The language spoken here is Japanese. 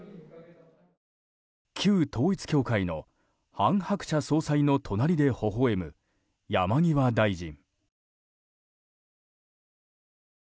旧統一教会の韓鶴子総裁の隣でほほ笑む、山際大臣。